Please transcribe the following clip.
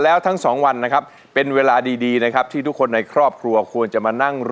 แล้วทั้ง๒วันนะครับ